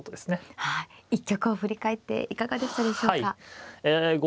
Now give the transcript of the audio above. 一局を振り返っていかがでしたでしょうか。